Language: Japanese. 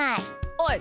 おい！